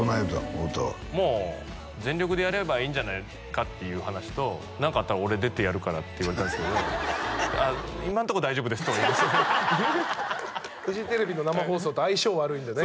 太田は「もう全力でやればいいんじゃないか」っていう話と「何かあったら俺出てやるから」って言われたんですけど「ああ今のとこ大丈夫です」とは言いましたフジテレビの生放送と相性悪いんでね